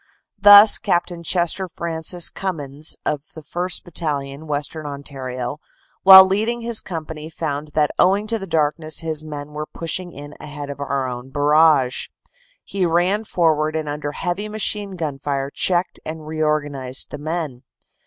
Thus Capt. Chester Francis Cummins of the 1st. Battalion, Western Ontario, while leading in his com pany found that owing to the darkness his men were pushing in ahead of our own barrage. He ran forward and under heavy machine gun fire checked and reorganized the men.